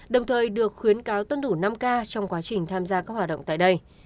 đồng thời được khuyến cáo tuân thủ năm k trong quá trình tham gia các hoạt động tại đây